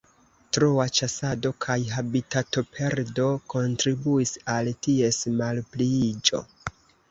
Troa ĉasado kaj habitatoperdo kontribuis al ties malpliiĝo.